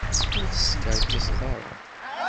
Ur teskerkiseḍ ara.